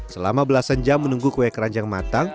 selama belasan jam menunggu kue keranjang matang